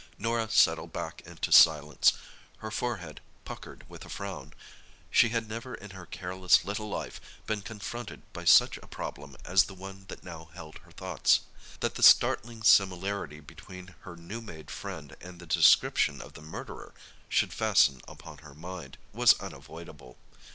Norah settled back into silence, her forehead puckered with a frown. She had never in her careless little life been confronted by such a problem as the one that now held her thoughts. That the startling similarity between her new made friend and the description of the murderer should fasten upon her mind, was unavoidable.